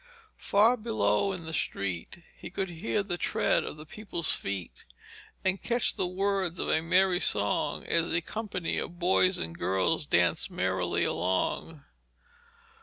Far below in the street he could hear the tread of the people's feet, and catch the words of a merry song as a company of boys and girls danced merrily along.